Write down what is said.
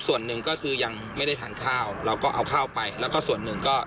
ส่วนหนึ่งก็คือยังไม่ได้ทานข้าวเราก็เอาข้าวไปแล้วก็ส่วนหนึ่งก็